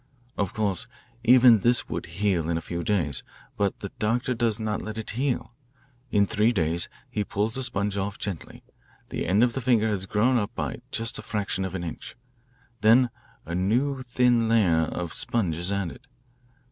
Of course even this would heal in a few days, but the doctor does not let it heal. In three days he pulls the sponge off gently. The end of the finger has grown up just a fraction of an inch. Then a new thin layer of sponge is added.